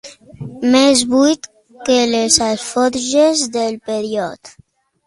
Més buit que les alforges del Peirot.